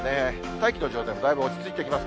大気の状態もだいぶ落ち着いてきます。